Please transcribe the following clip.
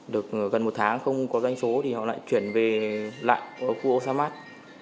được gần một tháng không có doanh số thì họ lại chuyển về lại ở khu osamat